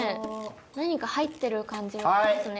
何か入ってる感じはありますね。